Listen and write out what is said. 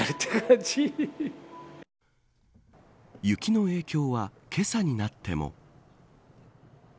雪の影響はけさになっても。